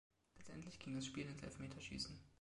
Letztendlich ging das Spiel ins Elfmeterschießen.